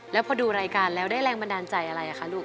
แล้วพอดูรายการแล้วได้แรงบันดาลใจอะไรคะลูก